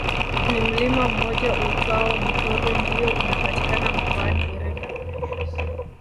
Ni mlima mmoja uitwao Mtorwi ndiyo unapatikana mkoani Iringa